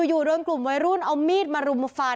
อยู่โดนกลุ่มวัยรุ่นเอามีดมารุมฟัน